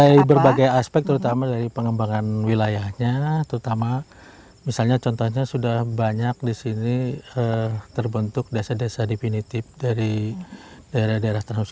dari berbagai aspek terutama dari pengembangan wilayahnya terutama misalnya contohnya sudah banyak di sini terbentuk desa desa definitif dari daerah daerah tertentu